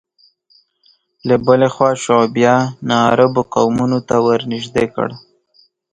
له بلې خوا شعوبیه ناعربو قومونو ته ورنژدې کړ